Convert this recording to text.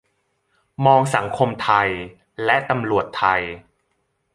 มองสังคมไทยและตำรวจไทย